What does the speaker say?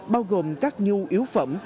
bao gồm các nhu yếu phẩm